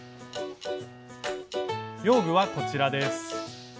用具はこちらです。